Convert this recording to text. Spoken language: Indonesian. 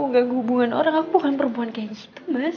gak hubungan orang aku bukan perempuan kayak gitu mas